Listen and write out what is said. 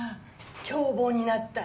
凶暴になったり。